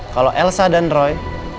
kalau elsa dan roy